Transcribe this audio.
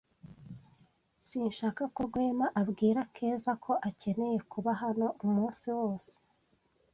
Sinshaka ko Rwema abwira Keza ko akeneye kuba hano umunsi wose.